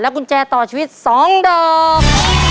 และกุญแจต่อชีวิตสองดอก